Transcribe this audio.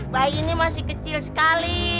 bayi ini masih kecil sekali